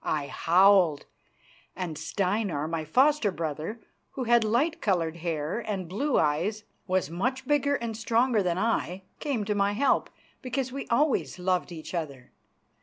I howled, and Steinar, my foster brother, who had light coloured hair and blue eyes, and was much bigger and stronger than I, came to my help, because we always loved each other.